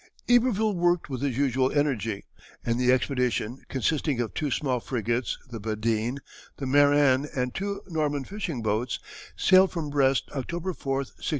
Iberville worked with his usual energy, and the expedition, consisting of two small frigates, the Badine, the Marin, and two Norman fishing boats, sailed from Brest, October 4, 1698.